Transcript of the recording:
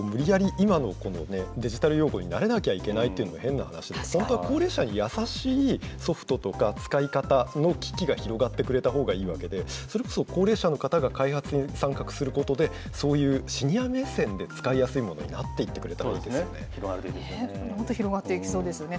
今のデジタル用語に慣れなきゃいけないというの変な話で、本当は高齢者に優しいソフトとか使い方の機器が広がってくれたほうがいいわけで、それこそ高齢者の方が開発に参画することで、そういうシニア目線で使いやすいものになっていってくれたらいい本当ですね。